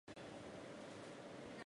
后唐是中国五代时期的政权之一。